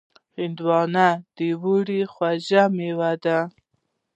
هندوانه د اوړي خوږ مېوه ده.